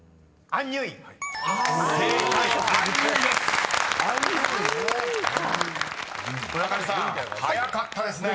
「アンニュイだね」